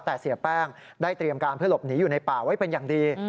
แต่เสียแป้งได้เตรียมการเพื่อหลบหนีอยู่ในป่าไว้เป็นอย่างดี